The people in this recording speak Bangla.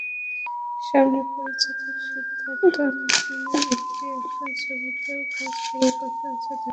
সামনে পরিচালক সিদ্ধার্থ আনন্দের একটি অ্যাকশন ছবিতেও কাজ করার কথা আছে তাঁর।